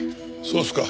そうですか。